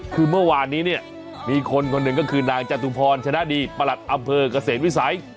คือเมื่อวานนี้เนี่ยมีคนคนหนึ่งก็คือนางจตุพรชนะดีประหลัดอำเภอกเกษตรวิสัย